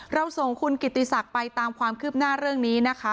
เราส่งคุณกิติศักดิ์ไปตามความคืบหน้าเรื่องนี้นะคะ